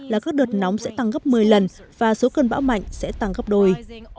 là các đợt nóng sẽ tăng gấp một mươi lần và số cơn bão mạnh sẽ tăng gấp đôi